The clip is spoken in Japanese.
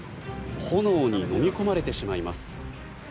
炎にのみ込まれてしまいます。